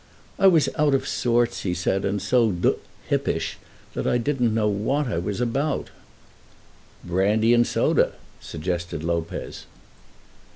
"I was out of sorts," he said, "and so d d hippish I didn't know what I was about." "Brandy and soda!" suggested Lopez.